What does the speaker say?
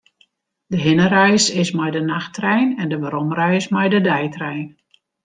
De hinnereis is mei de nachttrein en de weromreis mei de deitrein.